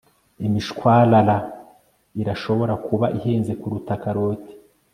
imishwarara irashobora kuba ihenze kuruta karoti